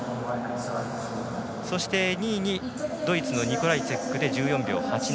そして、２位にドイツのニコライツィックで１４秒８７。